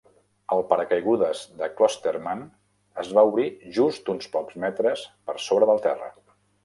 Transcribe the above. El paracaigudes de Clostermann es va obrir just a uns pocs metres per sobre del terra.